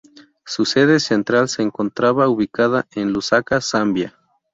Su sede central se encontraba ubicada en Lusaka, Zambia.